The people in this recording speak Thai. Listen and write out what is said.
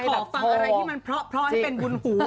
ที่ขอฟังอะไรที่มันเพราะให้เป็นวุ่นหูหนูเถอะ